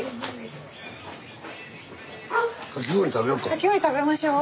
かき氷食べましょう。